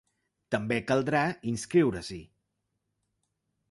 També caldrà inscriure-s’hi.